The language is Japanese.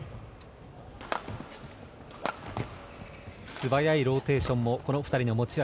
素早いローテーションもこの２人の持ち味。